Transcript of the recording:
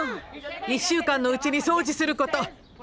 １週間のうちに掃除すること。